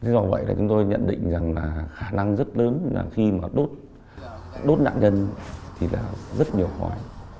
do vậy là chúng tôi nhận định rằng là khả năng rất lớn là khi mà đốt nạn nhân thì là rất nhiều khói